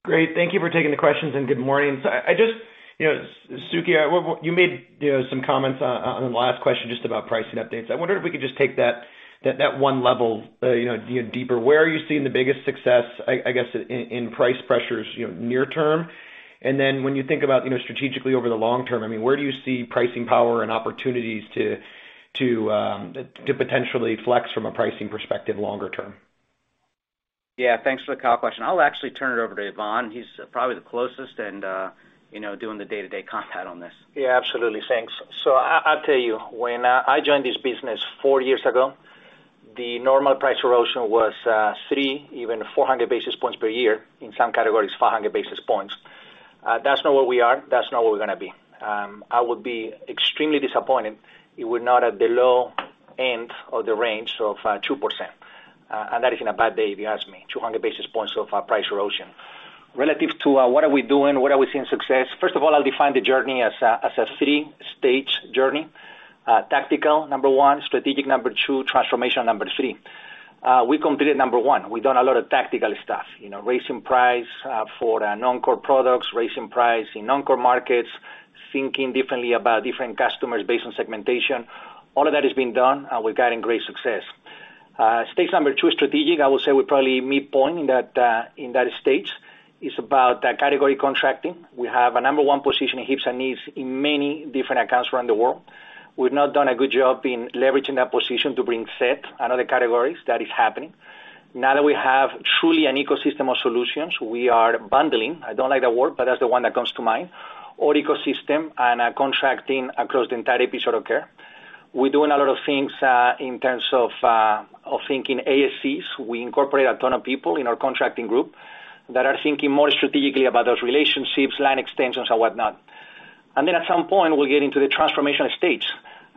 Great. Thank you for taking the questions, and good morning. I just— You know, Suky, you made, you know, some comments on the last question just about pricing updates. I wonder if we could just take that one level, you know, deeper. Where are you seeing the biggest success, I guess, in price pressures, you know, near term? Then when you think about, you know, strategically over the long term, I mean, where do you see pricing power and opportunities to to potentially flex from a pricing perspective longer term? Yeah. Thanks for the call question. I'll actually turn it over to Ivan. He's probably the closest and, you know, doing the day-to-day combat on this. Yeah, absolutely. Thanks. I'll tell you, when I joined this business 4 years ago, the normal price erosion was 300, even 400 basis points per year. In some categories, 500 basis points. That's not where we are. That's not where we're gonna be. I would be extremely disappointed if we're not at the low end of the range of 2%. That is in a bad day if you ask me, 200 basis points of price erosion. Relative to what are we doing, where are we seeing success, first of all, I'll define the journey as a three-stage journey. Tactical, number 1, strategic, number 2, transformation, number 3. We completed number 1. We've done a lot of tactical stuff, you know, raising price for the non-core products, raising price in non-core markets, thinking differently about different customers based on segmentation. All of that has been done, and we're getting great success. Stage 2 is strategic. I will say we're probably midpoint in that stage. It's about category contracting. We have a number 1 position in hips and knees in many different accounts around the world. We've not done a good job in leveraging that position to bring SET and other categories. That is happening. Now that we have truly an ecosystem of solutions, we are bundling. I don't like that word, but that's the one that comes to mind, our ecosystem and contracting across the entire episode of care. We're doing a lot of things in terms of thinking ASCs. We incorporate a ton of people in our contracting group that are thinking more strategically about those relationships, line extensions and whatnot. At some point, we'll get into the transformational stage,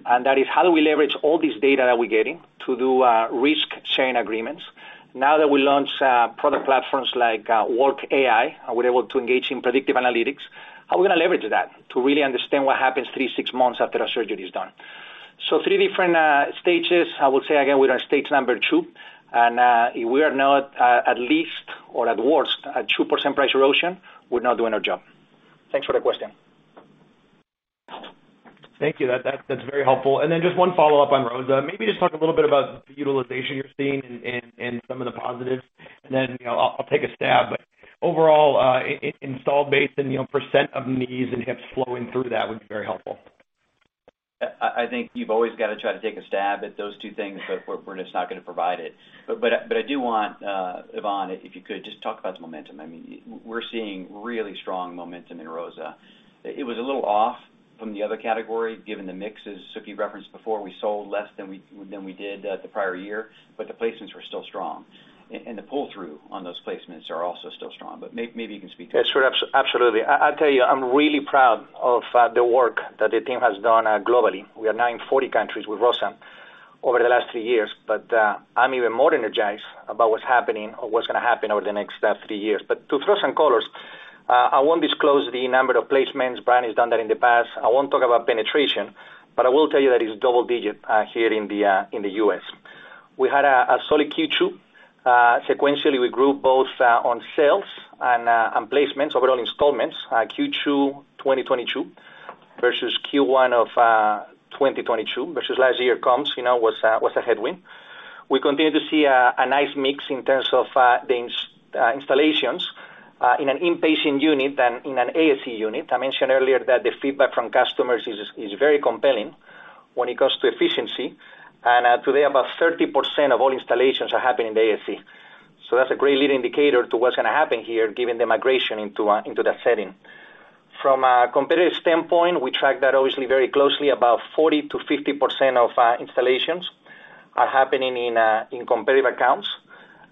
and that is how do we leverage all this data that we're getting to do risk sharing agreements. Now that we launch product platforms like Work AI, and we're able to engage in predictive analytics, how are we gonna leverage that to really understand what happens 3, 6 months after a surgery is done? Three different stages. I would say again, we are stage number 2, and if we are not at least or at worst at 2% price erosion, we're not doing our job. Thanks for the question. Thank you. That's very helpful. Just one follow-up on ROSA. Maybe just talk a little bit about the utilization you're seeing and some of the positives. You know, I'll take a stab. Overall, installed base and, you know, percent of knees and hips flowing through that would be very helpful. I think you've always got to try to take a stab at those two things, but we're just not gonna provide it. I do want, Ivan, if you could, just talk about the momentum. I mean, we're seeing really strong momentum in ROSA. It was a little off from the other category, given the mixes. If you referenced before, we sold less than we did the prior year, but the placements were still strong. The pull-through on those placements are also still strong. Maybe you can speak to that. Sure. Absolutely. I'll tell you, I'm really proud of the work that the team has done globally. We are now in 40 countries with ROSA over the last three years, but I'm even more energized about what's happening or what's gonna happen over the next three years. To throw some colors, I won't disclose the number of placements. Bryan has done that in the past. I won't talk about penetration, but I will tell you that it's double digit here in the U.S. We had a solid Q2. Sequentially, we grew both on sales and placements, overall installments, Q2 2022 versus Q1 of 2022 versus last year comps, you know, was a headwind. We continue to see a nice mix in terms of the installations in an inpatient unit and in an ASC unit. I mentioned earlier that the feedback from customers is very compelling when it comes to efficiency. Today, about 30% of all installations are happening in ASC. That's a great lead indicator to what's gonna happen here, given the migration into that setting. From a competitive standpoint, we track that obviously very closely. About 40%-50% of installations are happening in competitive accounts.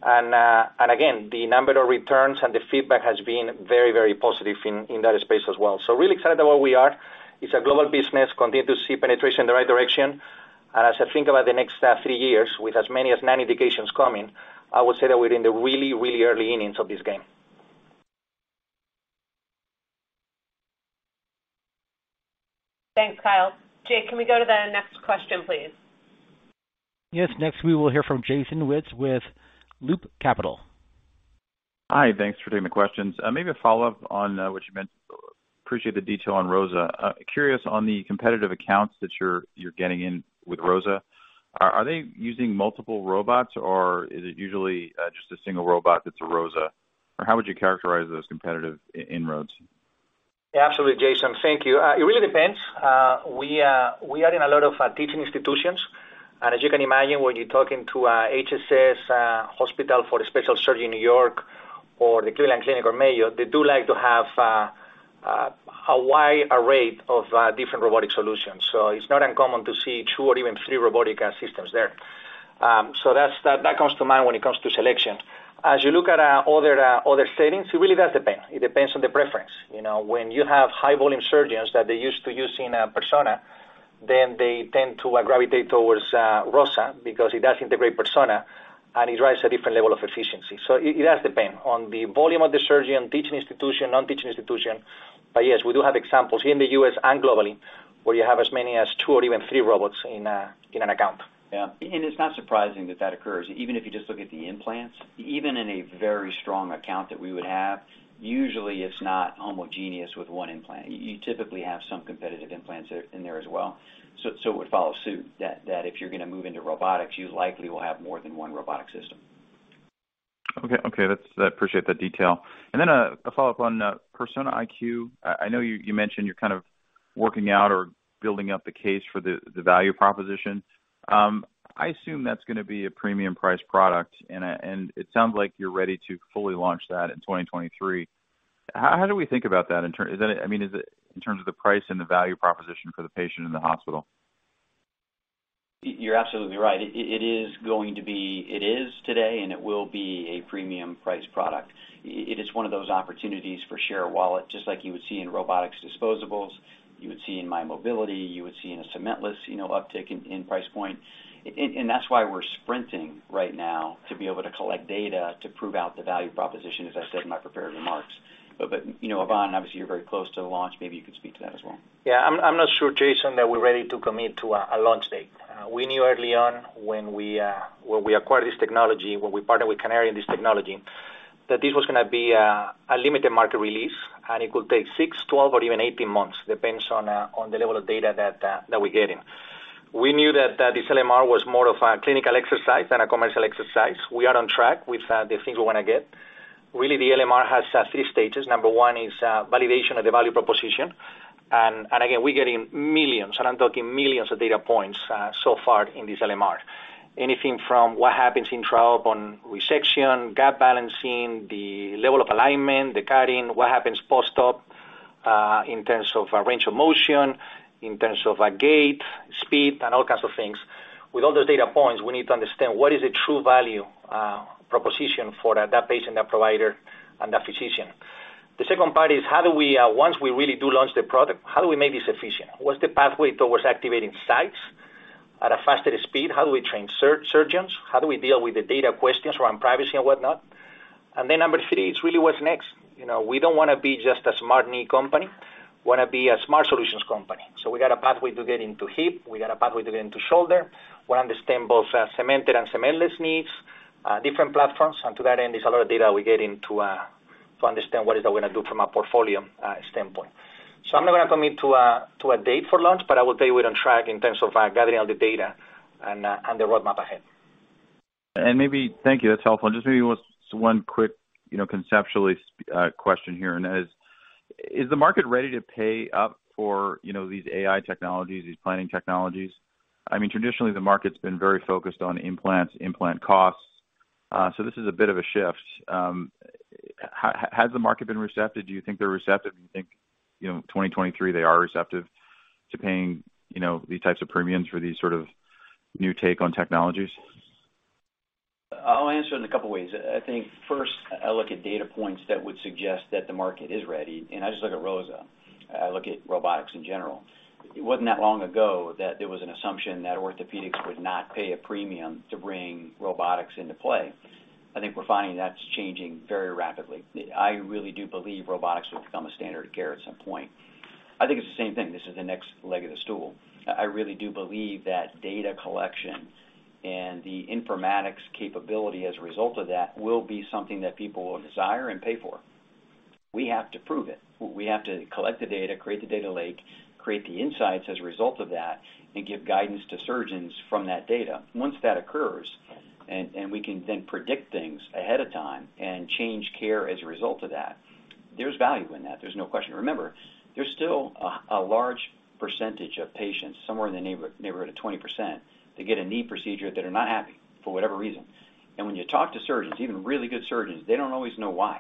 Again, the number of returns and the feedback has been very positive in that space as well. Really excited about where we are. It's a global business, continue to see penetration in the right direction. As I think about the next three years, with as many as nine indications coming, I would say that we're in the really, really early innings of this game. Thanks, Kyle. Jake, can we go to the next question, please? Yes. Next, we will hear from Jason Wittes with Loop Capital. Hi. Thanks for taking the questions. Maybe a follow-up on what you meant. Appreciate the detail on ROSA. Curious on the competitive accounts that you're getting in with ROSA. Are they using multiple robots, or is it usually just a single robot that's a ROSA? Or how would you characterize those competitive inroads? Absolutely, Jason. Thank you. It really depends. We are in a lot of teaching institutions. As you can imagine, when you're talking to a Hospital for Special Surgery in New York or the Cleveland Clinic or Mayo Clinic, they do like to have a wide array of different robotic solutions. It's not uncommon to see two or even three robotic systems there. That's what comes to mind when it comes to selection. As you look at other settings, it really does depend. It depends on the preference. You know, when you have high volume surgeons that they're used to using Persona, then they tend to gravitate towards ROSA because it does integrate Persona, and it drives a different level of efficiency. It does depend on the volume of the surgeon, teaching institution, non-teaching institution. Yes, we do have examples here in the U.S. and globally, where you have as many as two or even three robots in an account. Yeah. It's not surprising that it occurs. Even if you just look at the implants, even in a very strong account that we would have, usually it's not homogeneous with one implant. You typically have some competitive implants in there as well. It would follow suit that if you're gonna move into robotics, you likely will have more than one robotic system. That's. I appreciate that detail. Then a follow-up on Persona IQ. I know you mentioned you're kind of working out or building up the case for the value proposition. I assume that's gonna be a premium price product, and it sounds like you're ready to fully launch that in 2023. How do we think about that? Is that a, I mean, is it in terms of the price and the value proposition for the patient in the hospital? You're absolutely right. It is going to be. It is today, and it will be a premium price product. It is one of those opportunities for share wallet, just like you would see in robotics disposables, you would see in mymobility, you would see in a cementless, you know, uptick in price point. That's why we're sprinting right now to be able to collect data to prove out the value proposition, as I said in my prepared remarks. You know, Ivan, obviously, you're very close to the launch. Maybe you could speak to that as well. Yeah. I'm not sure, Jason, that we're ready to commit to a launch date. We knew early on when we acquired this technology, when we partnered with Canary in this technology, that this was gonna be a limited market release, and it could take 6, 12, or even 18 months, depends on the level of data that we're getting. We knew that this LMR was more of a clinical exercise than a commercial exercise. We are on track with the things we wanna get. Really, the LMR has 3 stages. Number one is validation of the value proposition. Again, we're getting millions, and I'm talking millions of data points so far in this LMR. Anything from what happens in trial on resection, gap balancing, the level of alignment, the cutting, what happens post-op, in terms of a range of motion, in terms of a gait, speed, and all kinds of things. With all those data points, we need to understand what is the true value, proposition for that patient, that provider, and that physician. The second part is how do we, once we really do launch the product, how do we make this efficient? What's the pathway towards activating sites at a faster speed? How do we train surgeons? How do we deal with the data questions around privacy and whatnot? Number three, it's really what's next. You know, we don't wanna be just a smart knee company. We wanna be a smart solutions company. We got a pathway to get into hip. We got a pathway to get into shoulder. We understand both cemented and cement-less needs, different platforms. To that end, there's a lot of data we're getting to understand what is that gonna do from a portfolio standpoint. I'm not gonna commit to a date for launch, but I will tell you we're on track in terms of gathering all the data and the roadmap ahead. Thank you. That's helpful. Just maybe what's one quick, you know, conceptually, question here, and that is the market ready to pay up for, you know, these AI technologies, these planning technologies? I mean, traditionally, the market's been very focused on implants, implant costs, so this is a bit of a shift. Has the market been receptive? Do you think they're receptive? Do you think, you know, 2023, they are receptive to paying, you know, these types of premiums for these sort of new take on technologies? I'll answer it in a couple ways. I think first I look at data points that would suggest that the market is ready, and I just look at ROSA. I look at robotics in general. It wasn't that long ago that there was an assumption that orthopedics would not pay a premium to bring robotics into play. I think we're finding that's changing very rapidly. I really do believe robotics will become a standard of care at some point. I think it's the same thing. This is the next leg of the stool. I really do believe that data collection and the informatics capability as a result of that will be something that people will desire and pay for. We have to prove it. We have to collect the data, create the data lake, create the insights as a result of that, and give guidance to surgeons from that data. Once that occurs, we can then predict things ahead of time and change care as a result of that, there's value in that. There's no question. Remember, there's still a large percentage of patients, somewhere in the neighborhood of 20%, that get a knee procedure that are not happy for whatever reason. When you talk to surgeons, even really good surgeons, they don't always know why.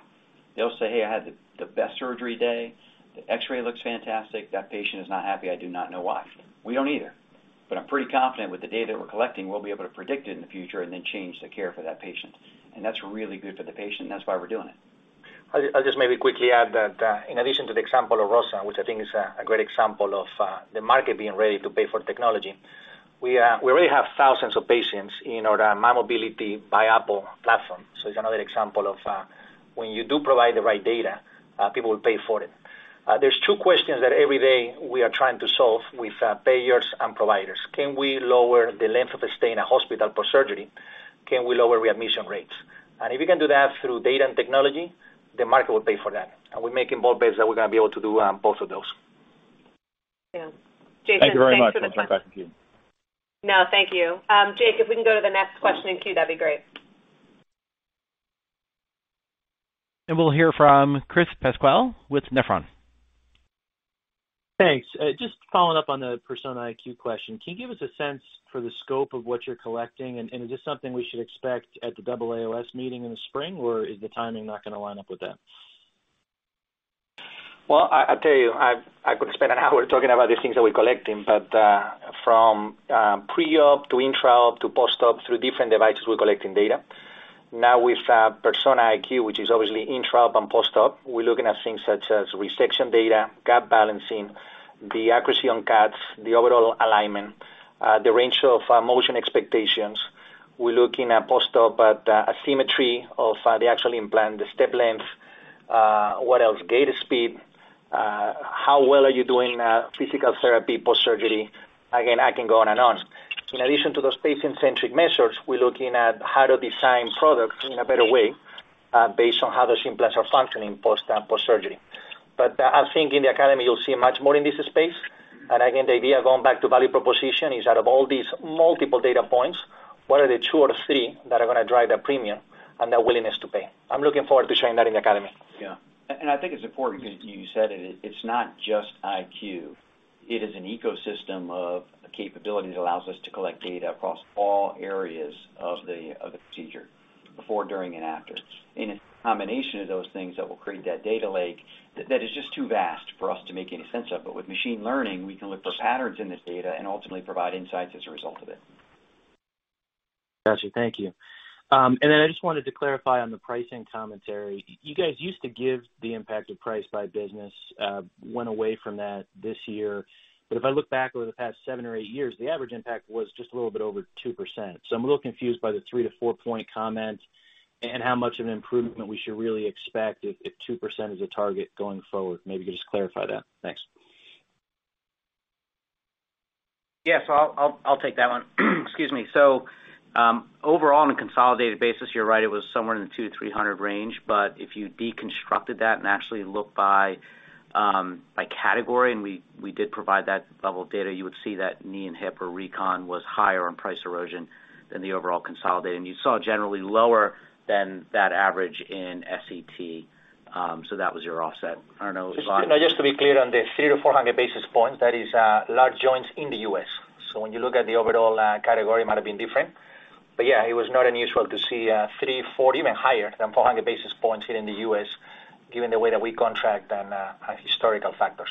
They'll say, "Hey, I had the best surgery day. The X-ray looks fantastic. That patient is not happy. I do not know why." We don't either. I'm pretty confident with the data we're collecting, we'll be able to predict it in the future and then change the care for that patient. That's really good for the patient, and that's why we're doing it. I'll just maybe quickly add that, in addition to the example of ROSA, which I think is a great example of the market being ready to pay for technology, we already have thousands of patients in our mymobility by Apple platform. So it's another example of when you do provide the right data, people will pay for it. There's two questions that every day we are trying to solve with payers and providers. Can we lower the length of a stay in a hospital for surgery? Can we lower readmission rates? If we can do that through data and technology, the market will pay for that. We're making both bets that we're gonna be able to do both of those. Thank you very much. I'll turn it back to you. No, thank you. Jake, if we can go to the next question in queue, that'd be great. We'll hear from Chris Pasquale with Nephron. Thanks. Just following up on the Persona IQ question. Can you give us a sense for the scope of what you're collecting? Is this something we should expect at the AAOS meeting in the spring, or is the timing not gonna line up with that? Well, I tell you, I could spend an hour talking about the things that we're collecting, but from pre-op to intra-op to post-op through different devices, we're collecting data. Now with Persona IQ, which is obviously intra-op and post-op, we're looking at things such as resection data, gap balancing, the accuracy on cuts, the overall alignment, the range of motion expectations. We're looking at post-op at asymmetry of the actual implant, the step length. What else? Gait speed, how well are you doing physical therapy post-surgery? Again, I can go on and on. In addition to those patient-centric measures, we're looking at how to design products in a better way based on how those implants are functioning post-surgery. I think in the academy, you'll see much more in this space. Again, the idea of going back to value proposition is out of all these multiple data points, what are the two or three that are gonna drive that premium and the willingness to pay? I'm looking forward to sharing that in the academy. Yeah. I think it's important 'cause you said it's not just IQ. It is an ecosystem of capabilities that allows us to collect data across all areas of the procedure before, during, and after. It's a combination of those things that will create that data lake that is just too vast for us to make any sense of. With machine learning, we can look for patterns in this data and ultimately provide insights as a result of it. Got you. Thank you. I just wanted to clarify on the pricing commentary. You guys used to give the impact of price by business, went away from that this year. If I look back over the past seven or eight years, the average impact was just a little bit over 2%. I'm a little confused by the 3-4 point comment and how much of an improvement we should really expect if 2% is a target going forward. Maybe you can just clarify that. Thanks. Yes, I'll take that one. Excuse me. Overall, on a consolidated basis, you're right, it was somewhere in the 200-300 range. If you deconstructed that and actually looked by category, and we did provide that level of data, you would see that knee and hip or recon was higher on price erosion than the overall consolidated. You saw generally lower than that average in SET, so that was your offset. I don't know, Ivan. Just to be clear on the 300-400 basis points, that is, large joints in the U.S. When you look at the overall category, it might have been different. Yeah, it was not unusual to see 300, 400, even higher than 400 basis points here in the U.S., given the way that we contract and historical factors.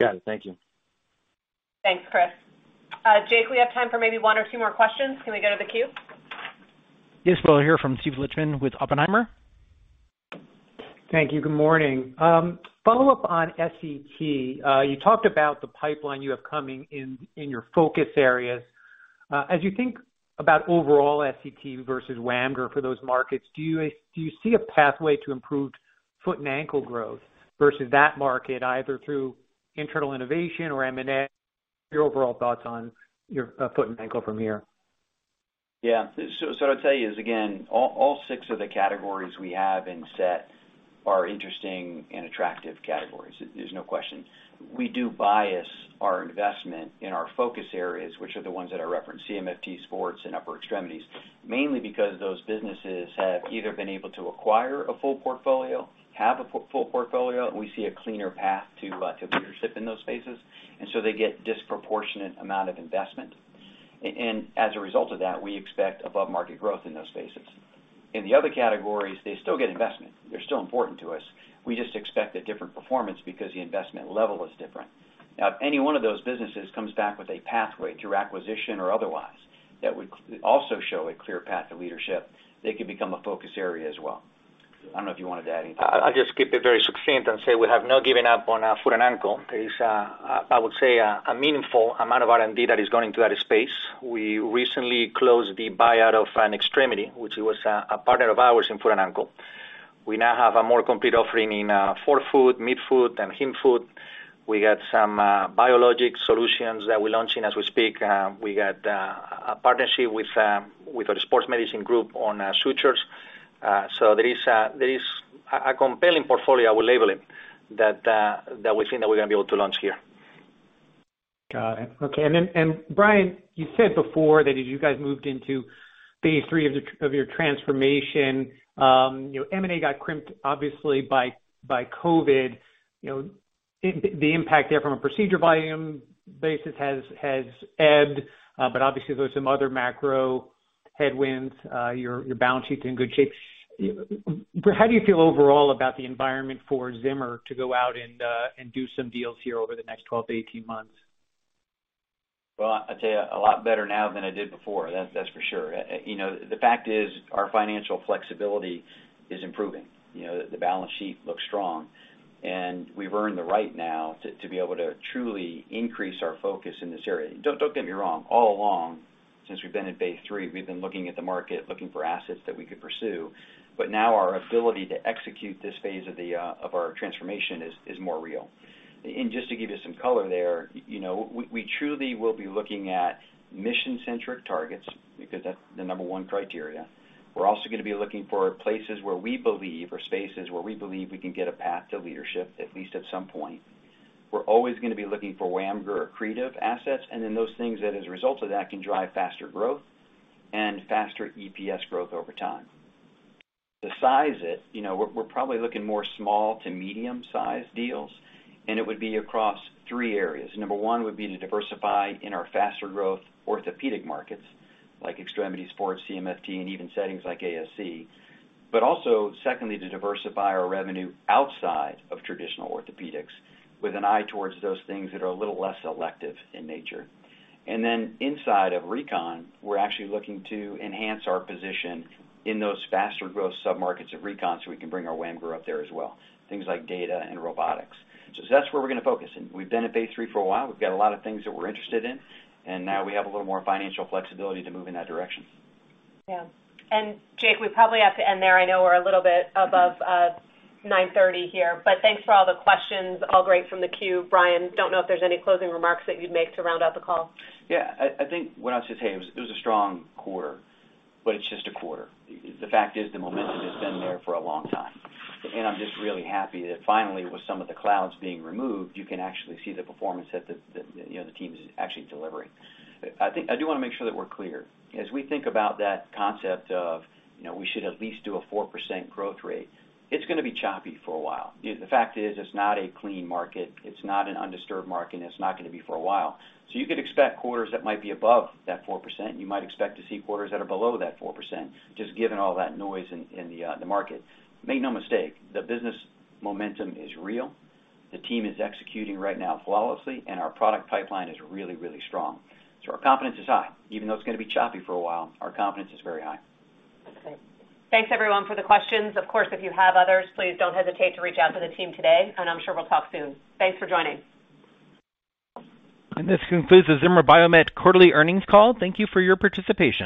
Got it. Thank you. Thanks, Chris. Jake, we have time for maybe one or two more questions. Can we go to the queue? Yes. We'll hear from Steven Lichtman with Oppenheimer. Thank you. Good morning. Follow up on SET. You talked about the pipeline you have coming in your focus areas. As you think about overall SET versus WAMGR for those markets, do you see a pathway to improved foot and ankle growth versus that market, either through internal innovation or M&A? Your overall thoughts on your foot and ankle from here. What I'll tell you is, again, all six of the categories we have in SET are interesting and attractive categories. There's no question. We do bias our investment in our focus areas, which are the ones that I referenced, CMFT, sports, and upper extremities, mainly because those businesses have either been able to acquire a full portfolio, have a full portfolio, and we see a cleaner path to leadership in those spaces, and they get disproportionate amount of investment. As a result of that, we expect above-market growth in those spaces. In the other categories, they still get investment. They're still important to us. We just expect a different performance because the investment level is different. Now, if any one of those businesses comes back with a pathway through acquisition or otherwise that would also show a clear path to leadership, they could become a focus area as well. I don't know if you wanted to add anything? I'll just keep it very succinct and say we have not given up on foot and ankle. There is, I would say, a meaningful amount of R&D that is going into that space. We recently closed the buyout of A&E Medical, which was a partner of ours in foot and ankle. We now have a more complete offering in forefoot, midfoot, and hindfoot. We got some biologic solutions that we're launching as we speak. We got a partnership with a sports medicine group on sutures. So there is a compelling portfolio, I will label it, that we think that we're gonna be able to launch here. Got it. Okay. Bryan, you said before that as you guys moved into phase three of your transformation, you know, M&A got crimped obviously by COVID. You know, the impact there from a procedure volume basis has ebbed, but obviously there's some other macro headwinds. Your balance sheet's in good shape. How do you feel overall about the environment for Zimmer to go out and do some deals here over the next 12 to 18 months? Well, I'll tell you a lot better now than I did before, that's for sure. You know, the fact is our financial flexibility is improving. You know, the balance sheet looks strong, and we've earned the right now to be able to truly increase our focus in this area. Don't get me wrong. All along, since we've been at phase three, we've been looking at the market, looking for assets that we could pursue, but now our ability to execute this phase of our transformation is more real. Just to give you some color there, you know, we truly will be looking at mission-centric targets because that's the number one criteria. We're also gonna be looking for places where we believe or spaces where we believe we can get a path to leadership, at least at some point. We're always gonna be looking for WAMGR accretive assets and then those things that as a result of that, can drive faster growth and faster EPS growth over time. The size, you know, we're probably looking at more small to medium sized deals, and it would be across three areas. Number one would be to diversify in our faster growth orthopedic markets like extremity, sports, CMFT, and even settings like ASC. Also secondly, to diversify our revenue outside of traditional orthopedics with an eye towards those things that are a little less elective in nature. Inside of recon, we're actually looking to enhance our position in those faster growth sub-markets of recon so we can bring our WAMGR up there as well, things like data and robotics. That's where we're gonna focus. We've been at phase three for a while. We've got a lot of things that we're interested in, and now we have a little more financial flexibility to move in that direction. Yeah. Jake, we probably have to end there. I know we're a little bit above 9:30 A.M. here, but thanks for all the questions. All great from the queue. Bryan, don't know if there's any closing remarks that you'd make to round out the call. Yeah, I think what I'll just say is it was a strong quarter, but it's just a quarter. The fact is the momentum has been there for a long time, and I'm just really happy that finally, with some of the clouds being removed, you can actually see the performance that the you know the team is actually delivering. I think I do wanna make sure that we're clear. As we think about that concept of, you know, we should at least do a 4% growth rate, it's gonna be choppy for a while. You know, the fact is it's not a clean market, it's not an undisturbed market, and it's not gonna be for a while. So you could expect quarters that might be above that 4%. You might expect to see quarters that are below that 4%, just given all that noise in the market. Make no mistake, the business momentum is real. The team is executing right now flawlessly, and our product pipeline is really, really strong. Our confidence is high. Even though it's gonna be choppy for a while, our confidence is very high. Okay. Thanks everyone for the questions. Of course, if you have others, please don't hesitate to reach out to the team today, and I'm sure we'll talk soon. Thanks for joining. This concludes the Zimmer Biomet quarterly earnings call. Thank you for your participation.